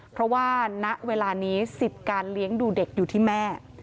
เพราะว่าณเวลานี้สิทธิ์การเลี้ยงดูเด็กอยู่ที่แม่